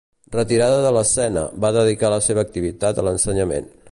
Retirada de l'escena, va dedicar la seva activitat a l'ensenyament.